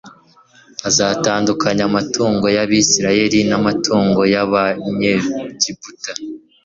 azatandukanya amatungo y Abisirayeli n amatungo y Abanyegiputa